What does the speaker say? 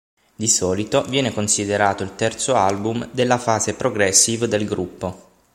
Di solito viene considerato il terzo album della fase progressive del gruppo.